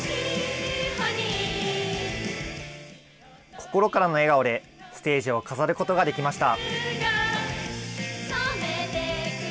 心からの笑顔でステージを飾ることができました。